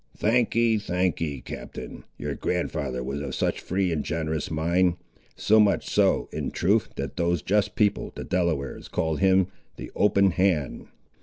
"Thankee, thankee, Captain; you grand'ther was of a free and generous mind. So much so, in truth, that those just people, the Delawares, called him the 'Openhand.